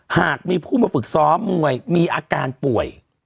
หากมีผู้มาฝึกซ้อมมวยมีอาการป่วย